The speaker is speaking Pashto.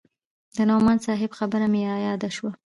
د نعماني صاحب خبره مې راياده سوه.